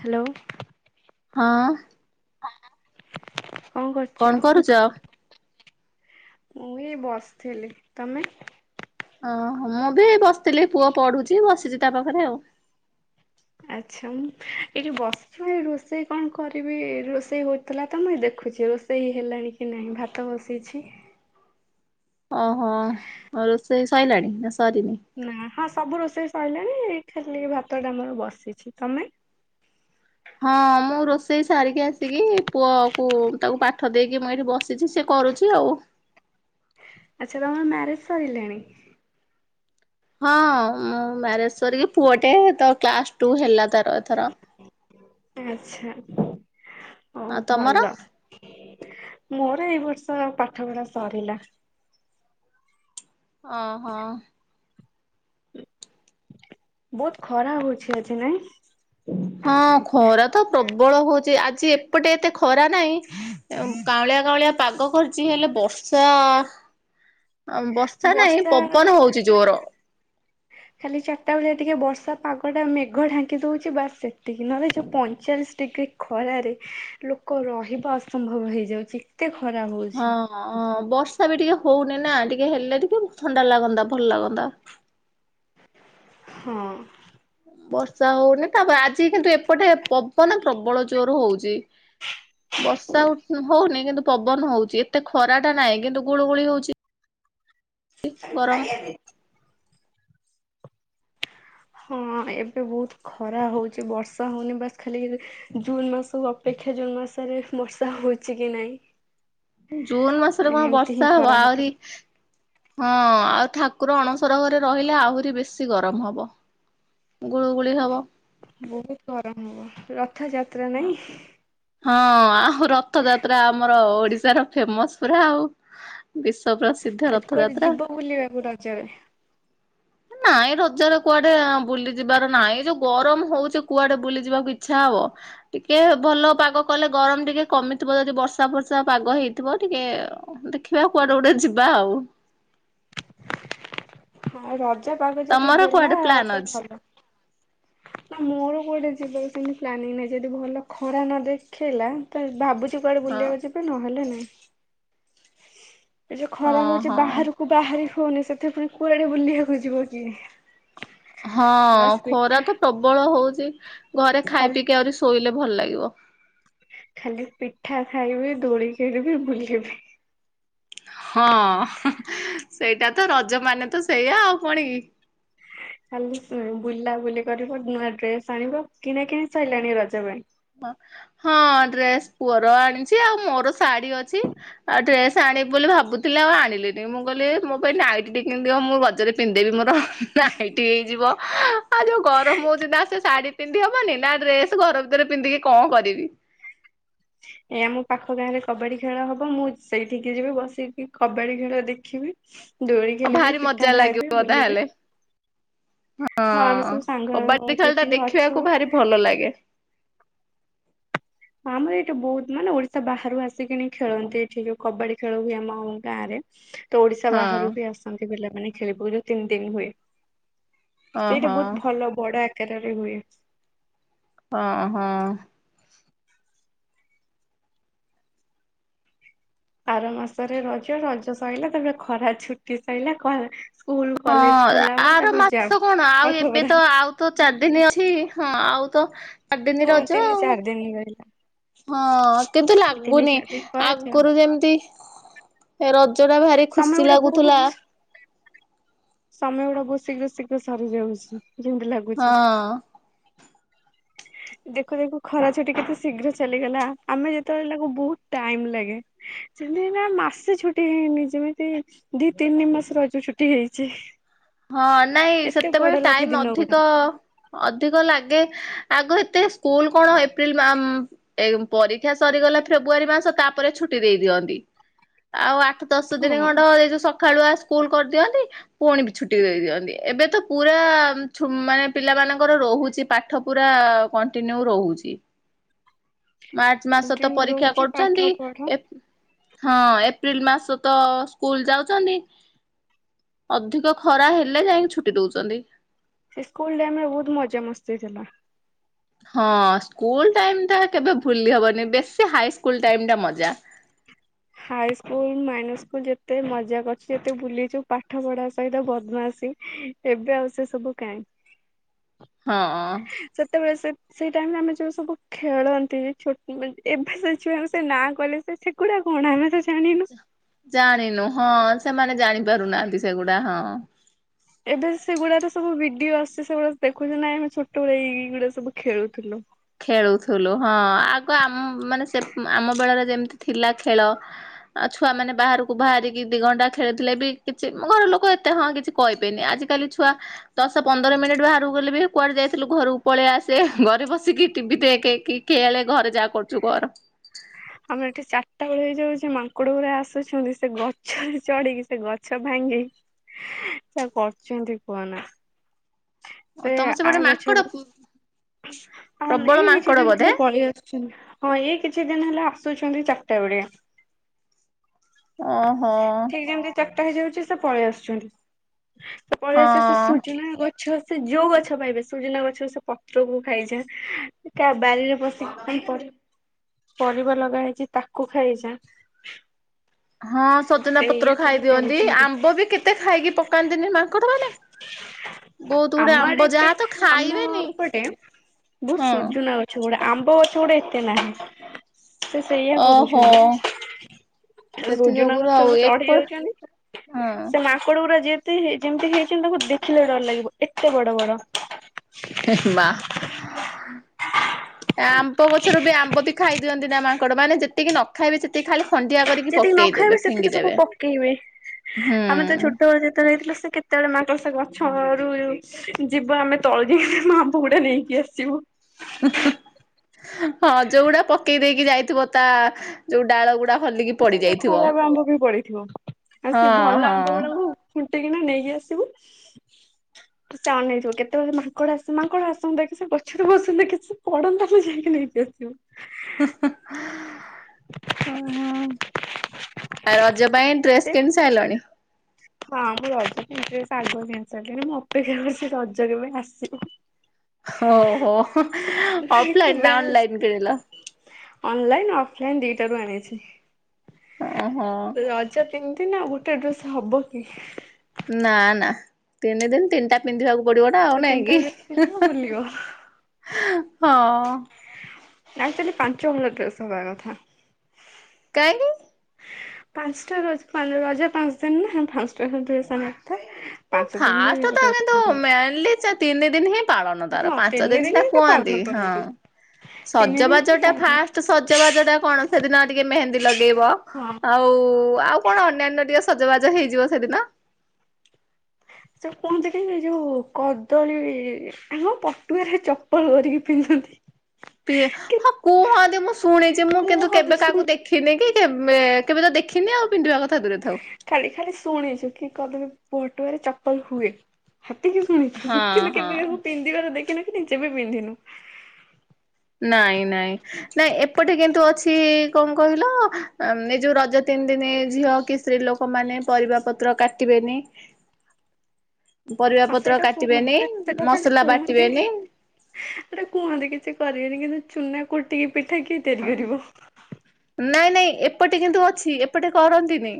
Hello. ହଁ। ହଁ। କଣ କରୁଚ? ମୁଁ ଏଇ ବସିଥିଲି, ତମେ? ଓହୋ ମୁଁ ବି ଏଇ ବସିଥିଲି, ପୁଅ ପଢୁଛି ବସିଚି ତା ପାଖରେ ଆଉ। ଆଚ୍ଛା ମୁଁ ଏ ଯୋଉ ବର୍ଷାଏ ରୋଷେଇ କଣ କରିବି ରୋଷେଇ ହୋଉଥିଲା ତ ମୁଁ ଏଇ ଦେଖୁଛି ରୋଷେ ସେଇ ହେଲାଣି କି ନାହିଁ, ଭାତ ବସିଛି। ଓହୋ ଆଉ ରୋଷେଇ ସଇଲାଣି ନା ସରିନି? ନା ହଁ ସବୁ ରୋଷେଇ ସଇଲାଣି ଏଇ ଖାଲି ଭାତ ଟା ଆମର ବସିଛି, ତମେ? ହଁ ମୁଁ ରୋଷେଇ ସାରିକି ଆସିକି ପୁଅ କୁ ତାକୁ ପାଠ ଦେଇକି ମୁଁ ଏଇଠି ବସ୍ କିଛି ସିଏ କରୁଛି ଆଉ। ଆଚ୍ଛା ତମର ମ୍ୟାରେଜ ସରିଲାଣି? ହଁ ମୁଁ ମ୍ୟାରେଜ୍ ସରିକି ପୁଅ ଟେ ତ କ୍ଲାସ ଟୁ ହେଲା ତାର ଏଥର। ଆଚ୍ଛା ଆଉ ହୋଉ ତମର? ଭଲ। ମୋର ଏଇ ବର୍ଷ ପାଠ ପଢା ସରିଲା। ଓ ହଁ। ବହୁତ ଖରା ହଉଛି ଆଜି ନାଇଁ? ହଁ ଖରା ତ ପ୍ରବଳ ହଉଛି ଆଜି ଏପଟେ ଏତେ ଖରା ନାହିଁ। ଏ ଉଁ, କାଉଁଳିଆ କାଉଁଳିଆ ପାଗ କରିଚି, ହେଲେ ବର୍ଷା ଅ, ବର୍ଷା ନାହିଁ ବର୍ଷା ପବନ ହଉଛି ଜୋର। ଖାଲି ଚାଟା ବେଳିଆ ଟିକେ ବର୍ଷା ପାଗଟ ଟା ମେଘ ଢାଙ୍କି ଦଉଛି ବାସ୍ ସେତିକି, ନହେଲେ ଯୋଉ ପଇଁଚାଳିଶ ଟିକେ ଖରାରେ ଲୋକ ରହିବା ଅସମ୍ଭବ ହେଇଯାଉଛି ଏତେ ଖରା ହଉଛି। ଅଁ, ବର୍ଷା ବି ଟିକେ ହଉନି ନା ଟିକେ ହେଲେ ଟିକେ ଥଣ୍ଡା ଲାଗନ୍ତା ଭଲ ଲାଗନ୍ତା। ହଁ। ବର୍ଷା ହଉନି ତାପ ଆଜି କିନ୍ତୁ ଏପଟେ ପବନ ପ୍ରବଳ ଜୋର ହଉଚି। ବର୍ଷା ଆଉ ହୁଁ, ହଉନି କିନ୍ତୁ ପବନ ହଉଛି ଏତେ ଖରା ଟା ନାହିଁ କିନ୍ତୁ ଗୁଳୁ ଗୁଳି ହଉଛି। ଖାଇ ଗରମ ଖାଇଆ ଦେ। ହଁ ଏବେ ବହୁତ ଖରା ହଉଛି ବର୍ଷା ହଉନି, ବାସ୍ ଖାଲି ଏବେ ଜୁନ ମାସକୁ ଅପେକ୍ଷା ଜୁନ୍ ମାସରେ ବର୍ଷା ହଉଛି କି ନାଇଁ। ଜୁନ ମାସରେ କଣ ଏମିତି ହିଁ ବର୍ଷା ହବ ଖରା ଆହୁରି ହଁ ଆଉ ଠାକୁର ଅଣସର ଘରେ ରହିଲେ ଆହୁରି ବେଶୀ ଗରମ ହବ। ଗୁଳୁ ଗୁଳି ହବ। ବହୁତ ଗରମ ହବ ରଥଯାତ୍ରା ନାଇଁ। ହଁ ଆଉ ରଥଯାତ୍ରା ଆମର ଓଡିଶାର ଫେମସ୍ ପୁରା ଆଉ। ବିଶ୍ ଆଜି କୁଆଡେ ଯିବ ବୁଲିବାକୁ ରଜରେ? ନାଇଁ ରଜରେ କୁଆଡେ ବୁଲିଯିବାର ନାଇ, ଏ ଯୋଉ ଗରମ ହଉଛି କୁଆଡେ ବୁଲି ଯିବାକୁ ଇଚ୍ଛା ହବ? ଟିକେ ଭଲ ପାଗ କଲେ ଗରମ ଟିକେ କମିଥିବ ଯଦି ବର୍ଷା ଫର୍ଷା ପାଗ ହେଇଥିବ ଟିକେ। ଓହୋ, ଦେଖିବା କୁଆଡେ ଗୋଟେ ଯିବା ଆଉ। ଆଉ ରଜ ପାାଗ ଯଦି ତମର ଦେଲା କୁଆଡେ ପ୍ଲାନ୍ ତ ଅଛି ଭଲ। ନା ମୋର କୁଆଡେ ଯିବାକୁ ସେମିତି ପ୍ଲାନିଂ ନାହିଁ, ଯଦି ଭଲ ଖରା ନ ଦେଖେଇଲା ତ ଭାବୁଛି କୁଆଡ଼େ ହଁ। ବୁଲିବାକୁ ଯିବେ, ନହେଲେ ନାହିଁ। ଏ ଯେ ଖରା ହଉଛି ଓହୋ ବାହାରକୁ ବାହାରି ହଉନି ସେଥି ପୁଣି କୁଆଡେ ବୁଲିବାକୁ ଯିବ କି? ହଁ ଖରା ତ ପ୍ରବଳ ହଉଛି, ଘରେ ଖାଇ ଖାଲି ପିଇକି ଆହୁରି ଶୋଇଲେ ଭଲ ଲାଗିବ। ଖାଲି ପିଠା ଖାଇବେ, ଦୋଳିି ଖେଳିବେ, ବୁଲିବେ। ହଁ ସେଇଟା ତ ରଜ ମାନେ ତ ସେଇଆ ଆଉ କଣ କି। ଖାଲି ସେ ବୁଲା ବୁଲି କରିବ, ନୂଆ ଡ୍ରେସ୍ ଆଣିବ। କିଣା କିଣି ସଇଲାଣି ରଜ ପାଇଁ? ହଁ ହଁ ଡ୍ରେସ୍ ପୁଅର ଆଣିଛି, ଆଉ ମୋର ଶାଢ଼ୀ ଅଛି। ଆଉ ଡ୍ରେସ୍ ଆଣିବି ବୋଲି ଭାବୁଥିଲେ ଆଉ ଆଣିଲିନି, ମୁଁ କହିଲି ଏ ମୋ ପାଇଁ ନାଇଟି ଟି କିଣିଦିଅ ମୁଁ ରଜରେ ପିନ୍ଧିଦେବି ମୋର ହୁଁ। ନାଇଟି ହେଇଯିବ, ଆଉ ଯୋଉ ଗରମ ହଉଛୁ ନା ସେ ଶାଢୀ ପିନ୍ଧି ହବନି ନା ଡ୍ରେସ୍ ଗରମ ରେ ପିନ୍ଧିକି କଣ କରିବି। ଏ ଆମ ପାଖ ଗାଁ ରେ କବାଡି ଖେଳ ହବ, ମୁଁ ସେଇଠିକି ଯିବି ବସିକି କବାଡି ଖେଳ ଦେଖିବି। ଦୋଳି ଅ, ଖେଳିବି ଭାରି ପିଠା ମଜା ଖାଇବି ଲାଗିବ ବୁଲିବି ତାହେଲେ। ହଁ ଆମେ ସବୁ ସାଙ୍ଗ କବାଡି ଖେଳ ଟା ଯେତିକି ଅଛୁ ଦେଖିବାକୁ ଭାରି ଭଲ ଲାଗେ। ଆମର ଏଇଠି ବହୁତ ମାନେ ଓଡିଶା ବାହାରୁ ଆସିକିନି ଖେଳନ୍ତି ଏଠି ଯୋଉ କବାଡି ଖେଳ ହୁଏ ଆମ ଗାଁ ରେ। ତ ଓଡିଶା ହଁ ବାହାରୁ ବି ଆସନ୍ତି ପିଲାମାନେ ଖେଳିବୁ ଯୋଉ ତିନି ଦିନ ହୁଏ। ସେଇଟା ଓହୋ ବହୁତ ଭଲ ବଡ ଆକାରରେ ହୁଏ। ହଁ, ହଁ। ଆର ମାସରେ ରଜ, ରଜ ସରିଲା ତାପରେ ଖରା ଛୁଟି ସଇଲା। [unintelligible] ହଁ କଲେଜ ଖୋଲା ହବ ଆର ତାପରେ ଯାଅ ମାସ କଣ? ଆଉ ପାଠ ଏବେ ପଢା ତ ଆଉ ତ ଚାରି ଦିନ ଅଛି ହଁ ଆଉ ତ ଚାରି ଦିନ ହଁ ରଜ ତିନି ଆଉ। ଚାରି ଦିନ ରହିଲା ହଁ କିନ୍ତୁ ସେ ତିନି ଲାଗୁନି ଚାରି ଦିନ ପରେ ଯାଅ ଆଗରୁ ଯେମିତି। ଏ ରଜଟା ଭାରି ସମୟ ଖୁସି ଗୁଡା ବହୁତ ଲାଗୁଥିଲା। ସମୟ ଗୁଡା ବହୁତ ଶୀଘ୍ର ଶୀଘ୍ର ସରିଯାଉଛି ଯେମିତି ଲାଗୁଛି। ହଁ। ଦେଖୁ ଦେଖୁ ଖରା ଛୁଟି କେତେ ଶୀଘ୍ର ଚାଲିଗଲା ଆମେ ଯେତେବେଳେ ଲାଗୁ ବହୁତ ଟାଇମ ଲାଗେ। ସେମିତି ନା ମାସେ ଛୁଟି ହେଇନି ଯେମିତି ଦି ତିନି ମାସ ର ଜୁ ଛୁଟି ହେଇଛି। ହଁ ନାଇଁ ଏତେ ବଡ ସେତେବେଳେ ଲାଗେ ଟାଇମ ଦିନ ଅଧିକ। ଗୁଡା ଅଧିକ ଲାଗେ ଆଗ ଏତେ ସ୍କୁଲ କଣ ଏପ୍ରିଲ ମା ଏ ପରୀକ୍ଷା ସରିଗଲା ଫେବୃଆରୀ ମାସ ତାପରେ ଛୁଟି ଦେଇ ଦିଅନ୍ତି ଆଉ ଆଠ ଦଶ ହଁ ଦିନି ଖଣ୍ଡ ଏଇ ଯୋଉ ସକାଳୁଆ ସ୍କୁଲ କରିଦିଅନ୍ତି ପୁଣି ଛୁଟି ଦେଇ ଦିଅନ୍ତି ଏବେ ତ ପୁରା ମାନେ ପିଲାମାନଙ୍କର ରହୁଛି ପା ପାଠ ପୁରା କଣ୍ଟିନ୍ୟୁ ରହୁଛି। ମାର୍ଚ୍ଚ ମାସ ଏମତି ତ ପରୀକ୍ଷା ରହୁଛି କରୁଛନ୍ତି। ପାଠ ପଢ ଏ ହଁ ଏପ୍ରିଲ ମାସ ତ ସ୍କୁଲ ଯାଉଛନ୍ତି। ଅଧିକ ଖରା ହେଲେ ଯାଇକି ଛୁଟି ଦଉଛନ୍ତି। ସେ ସ୍କୁଲ ଟାଇମ ରେ ବହୁତ ମଜା ମସ୍ତି ହେଇଥିଲା। ହଁ ସ୍କୁଲ ଟାଇମ ଟା କେବେ ଭୁଲି ହବନି ବେଶୀ ହାଇ ସ୍କୁଲ ଟାଇମ ଟା ମଜା। ହାଇ ସ୍କୁଲ ମାଇନସ୍ ସ୍କୁଲ ଯେତେ ମଜା କରିଛି ଯେତେ ବୁଲିଛୁ ପାଠ ପଢା ସହିତ ବଦ୍ମାସୀ। ଏବେ ଆଉ ସେ ସବୁ କାହିଁ। ହଁ। ସେତେବେଳେ ସେ ସେଇ ଟାଇମ ରେ ଆମେ ଯୋଉ ସବୁ ଖେଳନ୍ତି ଯେ ଏବେ ସେ ଛୁଆଙ୍କ ସେ ନାଁ କହିଲେ ସେ ସେଗୁଡା। କଣ ଆମେ ତ ଜାଣିନୁ। ଜାଣିନୁ ହଁ ସେମାନେ ଜାଣିପାରୁନାହାନ୍ତି ସେଗୁଡା ହଁ। ଏବେ ସେଗୁଡାକ ସବୁ ଭିଡିଓ ଆସଛି ସେଗୁଡ଼ାକ ଦେଖୁଛ ନାଇଁ ଆମେ ଛୋଟବେଳେ ଏଇ ଗୁଡାକ ସବୁ ଖେଳୁଥିଲୁ। ଖେଳୁଥିଲୁ ହଁ ଆଗ ଆମ ମାନେ ସେ ଆମ ବେଳରେ ଯେମିତି ଥିଲା ଖେଳ। ଆଉ ଛୁଆ ମାନେ ବାହାରକୁ ବାହାରିକି ଦି ଘଣ୍ଟା ଖେଳିଥିଲେ ବି କିଛି ଘର ଲୋକ ଏତେ ହଁ କିଛି କହିବେନି ଆଜିିକାଲି ଛୁଆ। ଦଶ ପନ୍ଦର ମିନିଟ ବାହାରକୁ ଗଲେ ବି କୁଆଡେ ଯାଇଥିଲୁ ଘରକୁ ପଳେଇ ଆସେ ଘରେ ବସିକି ଟିଭି ଦେଖ କି ଖେଳେ ଘରେ ଯାହା କରୁଛୁ କର। ଆମର ଏଠି ଚାରିଟା ବେଳେ ହେଇଯାଉଛି ମାଙ୍କଡ ଗୁଡା ଆସୁଛନ୍ତି ସେ ଗଛରେ ଚଢିକି ସେ ଗଛ ଭାଙ୍ଗି। ଯାହା କରୁଛନ୍ତି କୁହନା। ଓ ତମର ସେପଟେ ମାଙ୍କଡ ପୁ ଅମ ଏଇ କିଛି ଦିନ ତ ପଳେଇ ଆସୁ ହଁ ଏଇ କିଛି ଦିନ ହେଲା ଆସୁଛନ୍ତି ଚାରିଟା ବେଳେ। ଓହୋ। ଠିକ ଯେମିତି ଚାରିଟା ହେଇଯାଉଛି ସେ ପଳେଇ ଆସୁଛନ୍ତି ସେ ପଳେଇ ହଁ ଆସି ସେ ସୂଜିନା ଗଛ ସେ ଯୋଉ ଗଛ ପାଇବେ ସୁଜିନା ଗଛ ସେ ପ ପତ୍ରକୁ ଖାଇଯାଏ କାହା ବାରିରେ ପଶି ପାଇଁ ପରିବା ଲଗା ହେଇଛି ତାକୁ ଖାଇଯାଏ। ହଁ ସଜନା ଏଇଆ ପତ୍ର ଖାଇ ସବୁ ଦିଅନ୍ତି କରୁଛନ୍ତି ଆମ୍ବ ବି କେତେ ଖାଇକି ପକାନ୍ତିନି ମାଙ୍କଡ ମାନେ। ବହୁତ ଗୁଡେ ଆମ୍ବ ଆମର ଏତେ ଯାହା ତ ଖାଇବେନି ଆମପଟେ ବହୁତ ହଁ ସୂର୍ଯ୍ୟନା ଗ ଛଗୁଡା ଆମ୍ବ ଗଛଗୁଡା ଏତେ ନାହିଁ ସେ ସେଇଆ ଓହୋ କରୁଛନ୍ତି। ସେଥି ସୁଜୁନା ଯୋଗୁରୁ ଆଉ ଗଛକୁ ଚଢି ଏପଟ ଯାଉଛନ୍ତି ସେ ହଁ ମାଙ୍କ କଡ ପା ଯେତେ ଯେମିତି ହେଇଛନ୍ତି ତାଙ୍କୁ ଦେଖିଲେ ଡର ଲାଗିବ ଏତେ ବଡ ବଡ ମା ହ ଆମ୍ବ ଗଛରୁ ବି ଆମ୍ବ ବି ଖାଇଦିଅନ୍ତି ନା ମାଙ୍କଡ ମାନେ ଯେତିକି ନ ଖାଇବେ ସେତିକି ଖାଲି ଖଣ୍ଡିଆ କରିକି ଯେତିକି ନ ପକେଇଦେବେ ଖାଇବେ ସେତିକି ସବୁ ଫିଙ୍ଗିଦେବେ ପକେଇବେ ହୁଁ ଆମେ ତ ଛୋଟବେଳେ ବେଳେ ଯାଇଥିଲୁ ସେ କେତେବେଳେ ମାଙ୍କଡ଼ ସେ ଗଛ ରୁ ଯିବ ଆମେ ତଳୁ ଯାଇ ସେ ଆମ୍ବ ଗୁଡା ନେଇକି ଆସିବୁ। ହଁ ଯଉଗୁଡା ପକେଇ ଦେଇକି ଯାଇଥିବ ତା ଯୋଉ ଡାଳ ଗୁଡା। ହଲିକି ତା ପଡି ସହିତ ଯାଇଥିବ ଖରାପ ଆମ୍ବ ବି ପଡିଥିବ ଆଉ ହଁ ସେଏ ଭଲ ହଁ ଆମ୍ବ ଗଡ଼ାକୁ। ଖୁଣ୍ଟି କିିନା ନେଇକି ଆସିବୁ। ସେ ଅନେଇଥିବ କେତେବେଳେ ମାଙ୍କଡ଼ ଆସ ମାଙ୍କଡ଼ ଆସନ୍ତା କି ସେ ଗଛରେ ବସନ୍ତା କିଛି ପଡ଼ନ୍ତା ଆମେ ଯାଇକି ନେଇକି ଆସିବୁ। ହ ଓ ହ ଆ ରଜ ପାଇଁ ଡ୍ରେସ୍ ସେ କିଣି ସାରିଲଣି। ହଁ ମୁଁ ରଜ ପାଇଁ ଡ୍ରେସ୍ ଆଗୁଆ କିଣିସାରିଲିଣି। ମୁଁ ଅପେକ୍ଷା କରିଛି ସେ ରଜ କେବେ ଆସିବ? ହ ହୋ ଅଫ ଲାଇନ ନା ଅନ ଲାଇନ କିଣିଲ। ଅନଲାଇନ ଅଫଲାଇନ୍ ଦିଟାରୁ ଆଣିଛି। ଓହୋ ରଜ ତିନି ଦିନ ଆଉ ଗୋଟେ ଡ୍ରେସ ହବ କି? ନା ନା ତିନି ଦିନ ତିନିଟା। ପିନ୍ଧିବାକୁ ପଡିବ ନା ଆଉ ସେ ନାଇଁ ତିନିଟା କିି? ଡ୍ରେସ୍ ପିନ୍ଧିବ ବୁଲିବ ହଁ ଆଚଆଲି ପାଞ୍ଚ ହଳ ଡ୍ରେସ ହବା କଥା। କାହିଁକି? ପାଞ୍ଚଟା ର ରଜ ପାଞ୍ଚ ଦିନ ନା ପାଞ୍ଚଟା ଡ୍ରେସ୍ ହବା କଥା। ପାଞ୍ଚ ଦିନରେ ଫାଷ୍ଟ ତ ଗୋଟେ ଗୋଟେ କିନ୍ତୁ ପିନ୍ଧିବା ମେନ୍ଲି ସେ ତିନି ଦିନ ହିଁ। ପାଳନ କଥା। ତାର ହଁ ପାଞ୍ଚ ତିନି ଦିନ ସିନା ଏଇଟା ପାଳନ କୁହନ୍ତି ହଁ। କରନ୍ତି। ସଜବାଜ ଟା ତିନିଦିନ ଫାଷ୍ଟ ସଜବାଜ ଟା କଣ ସେଦିନ ଟିକେ ମେହେନ୍ଦୀ ଲଗେଇବ ହଁ ଆଉ। ହଉ ଆଉ କଣ ଅନ୍ୟାନ୍ୟ ଟିକେ ସଜବାଜ ହେଇଯିବ ସେଦିନ। ସେ କୁହନ୍ତି କହି ଏ ଯୋଉ କଦଳୀ ଆମ ପଟୁଆରେ ଚପଲ କରିକି ପିନ୍ଧନ୍ତି। ପିଏ କି ହଁ କୁହନ୍ତି ମୁଁ ଶୁଣିଛି ମୁଁ କିନ୍ତୁ କୁହନ୍ତି କେବେ ଶୁଣ କାହାକୁ ଦେଖ ଦେଖିନେ କି କେବେ ତ ଦେଖିନି ଆଉ ପିନ୍ଧିବା କଥା ଦୂରେ ଥାଉ। ଖାଲି ଖାଲି ଶୁଣିଛୁ କି କଦଳୀ ପଟୁଆରେ ଚପଲ ହୁଏ। ହେତିକ ଶୁଣିଛୁ ହଁ କିନ୍ତୁ ହଁ କେବେ କାହାକୁ ପିନ୍ଧିବାର ଦେଖିନୁ କି ନିଯେ ବି ପିନ୍ଧିନୁ। ନାଇଁ ନାଇଁ ନାଇଁ ଏପଟେ କିନ୍ତୁ ଅଛି କଣ କହିଲ ଏ ଯୋଉ ରଜ ତିନି ଦିନି ଝିଅ କି ସ୍ତ୍ରୀ ଲୋକମାନେ ପରିବା ପତ୍ର କାଟିବେନି। [unintelligible] ପରିବା ହଁ ପତ୍ର ସେଇଟା କାଟିବେନି କୁହନ୍ତି ମସଲା ବାଟିବେନି। ଏଟା କୁହନ୍ତି କିଛି କରିବେନି କିନ୍ତୁ ଚୁନା କୁଟିକି ପିଠା କିଏ ତିଆରି କରିବ? ନାଇଁ ନାଇଁ ଏପଟେ କିନ୍ତୁ ଅଛି ଏପଟେ କରନ୍ତିନି।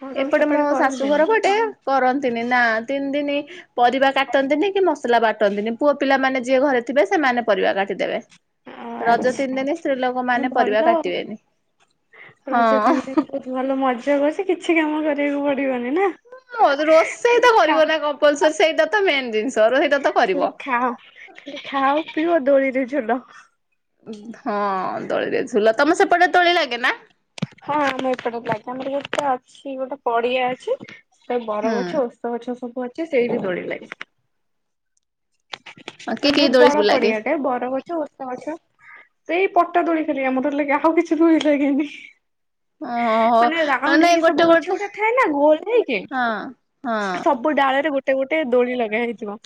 ହଁ ତମେ ଏପଟେ ମୋ ସେପଟେ ଶାଶୁ କରନ୍ତିନି ଘର ପଟେ କରନ୍ତିନି ନା ତିନି ଦିନ ପରିବା କାଟନ୍ତିନି କି ମସଲା ବାଟନ୍ତିନି ପୁଅ ପିଲାମାନେ ଯିଏ ଘରେ ଥିବେ ସେମାନେ ପରିବା କାଟିଦେବେ। ରଜ ତିନି ଆଚ୍ଛା ଦିନ ସ୍ତ୍ରୀ ଲୋକ ମାନେ ଭଲ ପରିବା ଆଉ। କାଟିବେନି ରଜ ତିନି ଦିନ ହଁ। ବହୁତ ଭଲ ମଜା କରଛି କିଛି କାମ କରିବାକୁ ପଡିବନି ନା। ମୋ ରୋଷେଇ ଖାଲି ତ ଖା କରିବ ନା କମ୍ପଲସର ସେଇଟା ତ ମେନ ଜିନିଷ ହେଇଟାତ କରିବ। ଆ ଉଁ ଖାଲି ଖାଅ ପିଇବ ଦୋଳିରେ ଝୁଲ। ହଁ ଦୋଳିରେ ଝୁଲ ତମ ସେପଟେ ଦୋଳି ଲାଗେ ନା? ହଁ ଆମ ଏପଟେ ବି ଲାଗେ ଆମର ଯେହେତା ଅଛି ଗୋଟେ ପଡ଼ିଆ ଅଛି ସେ ବର ଗଛ ହୁଁ ଓସ ସ୍ତ ଗଛ ସବୁ ଅଛି ସେଇଠି ଦୋଳି ଲାଗେ। କି ନା କି ବହୁତ ଦୋଳି ବଡ଼ ସବୁ ଲାଗେ ପଡ଼ିଆ ଟେ ବର ଗ ଛ ଓସ୍ତ ଗଛ ସେଇ ପଟା ଦୋଳି ଖାଲି ଆମର ଲାଗେ ଆଉ କିଛି ଦୋଳି ଲାଗେନି। ମାନେ ଓହୋ ରାଉଣ୍ଡ ନାଇଁ ହେଇକି ଗୋଟେ ସବୁ ଗଛ ଗୋଟେ ଗୁଡ଼ା ଥାଏ ନା ଗୋଲ ହେଇକି ହଁ ସବୁ ହଁ ସବୁ ଡ଼ାଳ ରେ ଗୋଟେ ଗୋଟେ ଦୋଳି ଲଗା ହେଇଥିବ।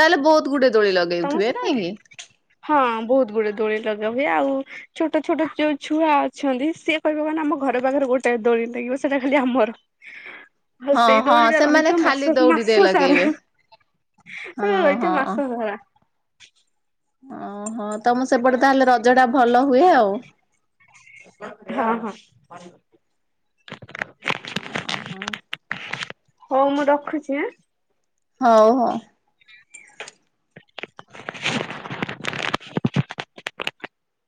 ତାହେଲେ ବହୁତ ଗୁଡ଼େ ଦୋଳି ତମ ଲଗେଉଥୁବେ ସେପଟେ ନାଇଁ କି? ହଁ ବହୁତ ଗୁଡ଼େ ଦୋଳି ଲଗା ହୁଏ ଆଉ ଛୋଟ ଛୋଟ ଯୋଉ ଛୁଆ ଅଛନ୍ତି ସିଏ କହିବେ କଣ ନା ଆମ ଘର ପାଖରେ ଗୋଟେ ଦୋଳି ଲାଗିବ ସେଟା ଖାଲି ଆମର। ଆଉ ହଁ ସେଇ ହଁ ଦୋଳିରା ସେମାନେ ରହିଥିବ ଖାଲି ମାସ ଦଉଡିରେ ମାସ ସାରା ଲଗେଇବେ ହାଁ। ସେ ହଁ କହିବ ଏଇଟା ହଁ। ମାସ ସାରା ଓହୋ ତମ ସେପଟେ ତାହେଲେ ରଜ ଟା ଭଲ ହୁଏ ଆଉ? ହଁ ହଁ। ଓହୋ। ହଉ ମୁଁ ରଖୁଚି ଆଁ? ହଉ ହଁ। [unintelligible]